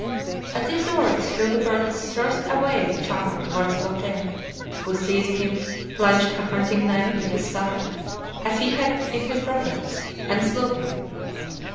At these words Childebert thrust away the child towards Clotaire, who seized him, plunged a hunting knife in his side, as he had in his brother's, and slew him.